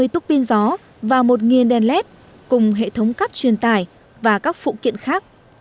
một trăm ba mươi túc pin gió và một đèn led cùng hệ thống cắp truyền tải và các phụ kiện khác